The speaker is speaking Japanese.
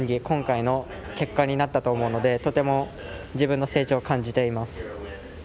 今回の結果になったと思うのでとても自分の成長を感じています。